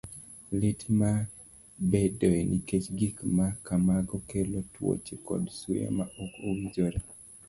Lit ma bedoe nikech gik ma kamago kelo tuoche kod suya ma ok owinjore.